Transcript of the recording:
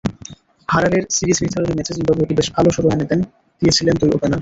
হারারের series নির্ধারণী ম্যাচে জিম্বাবুয়েকে বেশ ভালো শুরু এনে দিয়েছিলেন দুই ওপেনার।